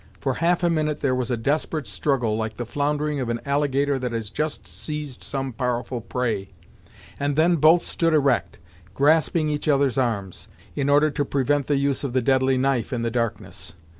For half a minute there was a desperate struggle, like the floundering of an alligator that has just seized some powerful prey, and then both stood erect, grasping each other's arms, in order to prevent the use of the deadly knife in the darkness.